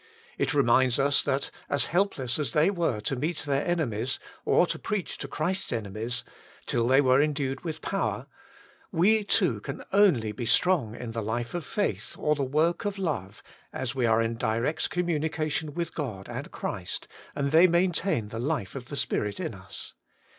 It reminds us that, as help less as they were to meet their enemies, or to preach to Christ's enemies, till they were endued with power, we, too, can only be strong in the life of faith, or the work of love, as we are in direct communication with God and Christ, and they maintain the life of the Spirit in us.